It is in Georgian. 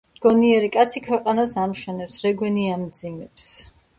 გონიერი კაცი ქვეყანას ამშვენებს, რეგვენი ამძიმებს